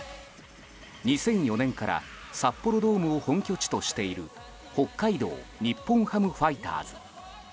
２００４年から札幌ドームを本拠地としている北海道日本ハムファイターズ。